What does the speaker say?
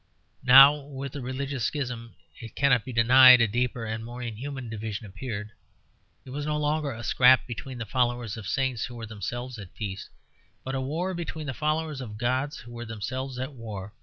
Now, with the religious schism, it cannot be denied, a deeper and more inhuman division appeared. It was no longer a scrap between the followers of saints who were themselves at peace, but a war between the followers of gods who were themselves at war.